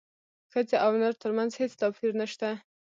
ښځې او نر ترمنځ هیڅ توپیر نشته